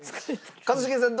一茂さん